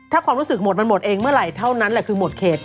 ถ้าความรู้สึกหมดมันหมดเองเมื่อไหร่เท่านั้นแหละคือหมดเขต